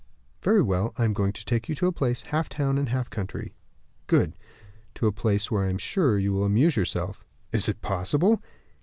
"Very well; I am going to take you to a place, half town and half country." "Good." "To a place where I am sure you will amuse yourself." "Is it possible?"